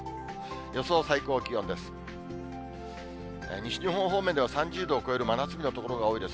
予想最高気温です。